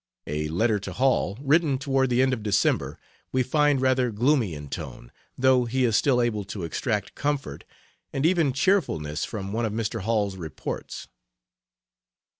A letter to Hall, written toward the end of December, we find rather gloomy in tone, though he is still able to extract comfort and even cheerfulness from one of Mr. Hall's reports.